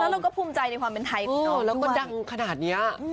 แล้วเราก็ภูมิใจในความเป็นไทยคุณน้องด้วยแล้วก็ดังขนาดนี้